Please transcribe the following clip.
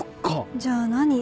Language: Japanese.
じゃあ何？